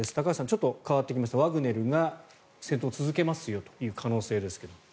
ちょっと変わってきましたワグネルが戦闘を続けますよという可能性ですが。